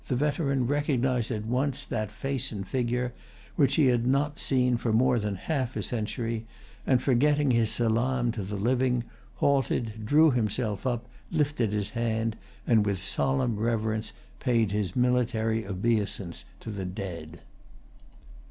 The veteran recognized at once that face and figure which he had not seen for more than half a century, and, forgetting his salam to the living, halted, drew himself up, lifted his hand, and with solemn reverence paid his military obeisance to the dead.